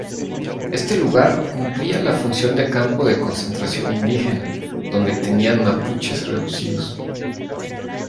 Este lugar cumplía la función de campo de concentración indígena, donde tenían mapuches reducidos.